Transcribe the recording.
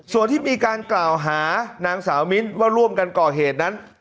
ส่วนที่มีการกล่าวหานางสาวมิ้นว่าร่วมกันก่อเหตุนั้น